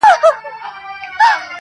ته چیري تللی یې اشنا او زندګي چیري ده؟